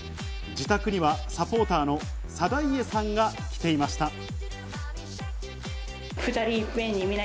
自宅にはサポーターの定家さんが来ていました。